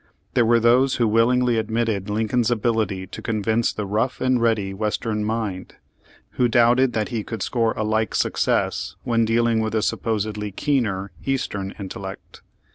There were those who willingly admitted Lincoln's abil ity to convince the rough and ready western mind, who doubted that he could score a like success when dealing with the supposably keener eastern intellect.